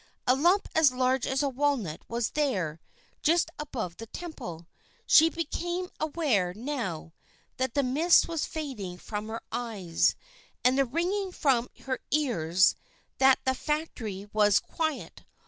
A lump as large as a walnut was there just above the temple. She became aware, now that the mist was fading from her eyes and the ringing from her ears, that the factory was quiet.